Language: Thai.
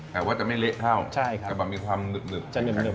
แต่ว่าจะไม่เละเท่าใช่ครับแต่มันมีความหนึบหนึบจะหนึบหนึบ